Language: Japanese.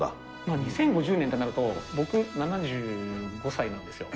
２０５０年ってなると、僕７５歳なんですよ。